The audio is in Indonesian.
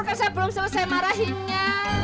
karena saya belum selesai marahinnya